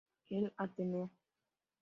El Ateneo.